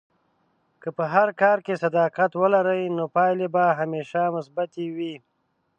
که په هر کار کې صداقت ولرې، نو پایلې به همیشه مثبتې وي.